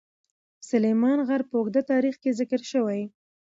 سلیمان غر په اوږده تاریخ کې ذکر شوی.